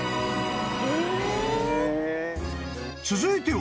［続いては］